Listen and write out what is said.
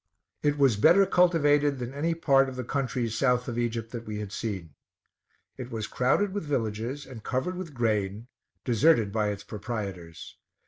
It was better cultivated than any part of the countries south of Egypt that we had seen. It was crowded with villages and covered with grain, deserted by its proprietors.